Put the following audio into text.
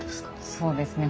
そうですね。